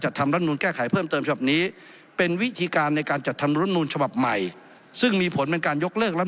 ที่ผมนำมาเรียนต่อท่านประธาและที่ประชุม